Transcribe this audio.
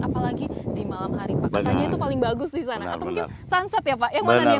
apalagi di malam hari itu paling bagus di sana atau mungkin sunset ya pak ya mana yang bagus